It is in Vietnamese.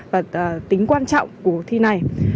và tính quan trọng của cuộc thi này